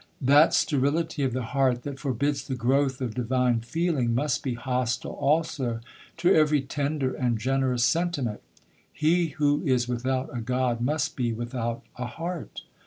That sterility of the heart that forbids the growth of divine feeling, must be hostile also to every tender and generous sentiment. He who is without a God must be without a heart!